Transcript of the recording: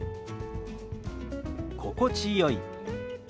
「心地よい」。